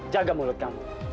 jaga mulut kamu